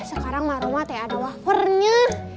sekarang mah rumah teh ada wafernya